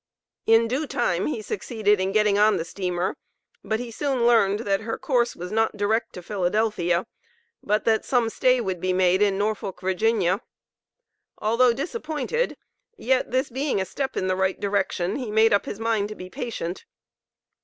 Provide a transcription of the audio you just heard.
In due time, he succeeded in getting on the steamer, but he soon learned, that her course was not direct to Philadelphia, but that some stay would be made in Norfolk, Va. Although disappointed, yet this being a step in the right direction, he made up his mind to be patient.